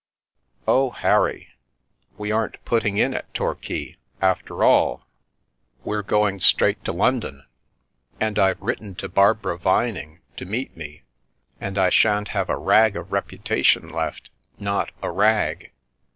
" Oh, Harry I We aren't putting in at Torquay, after all I We're going straight to London, and I've written to Barbara Vining to meet me, and I sha'n't have a rag Ship Magic of reputation left, not a rag!